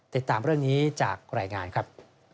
ติดตามเรื่องนี้จากรายงานครับ